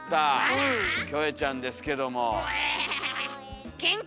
キョエちゃんですけども。